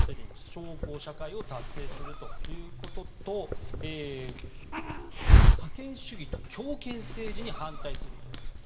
小康社会を達成するということと覇権主義と強権政治に反対するということ。